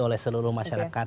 oleh seluruh masyarakat